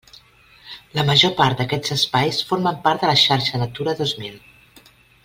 La major part d'aquests espais formen part de la xarxa Natura dos mil.